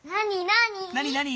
なになに？